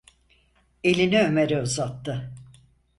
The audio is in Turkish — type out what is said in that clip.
Elini Ömer’e uzattı.